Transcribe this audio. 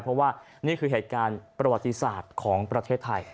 เพราะว่านี่คือเหตุการณ์ประวัติศาสตร์ของประเทศไทย